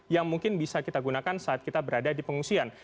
yang mungkin bisa kita gunakan saat kita berada di pengungsian